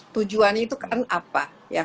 tujuan itu kan apa